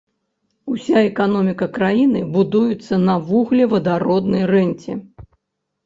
Уся эканоміка краіны будуецца на вуглевадароднай рэнце.